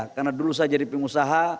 karena dulu saya jadi pengusaha